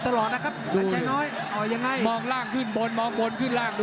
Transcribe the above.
สองตัดล่าง